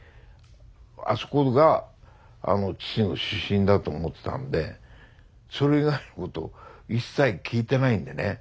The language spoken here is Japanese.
あそこが父の出身だと思ってたんでそれ以外のこと一切聞いてないんでね。